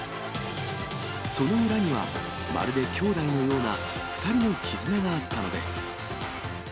その裏には、まるで兄妹のような２人の絆があったのです。